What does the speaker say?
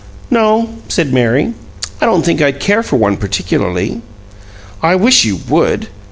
"No," said Mary. "I don't think I'd care for one particularly." "I wish you would."